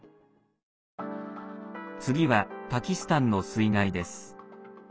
次は、パキスタンの水害です。